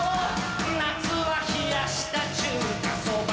夏は冷やした中華そば